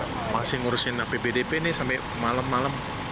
saya masih ngurusin pbdp ini sampai malam malam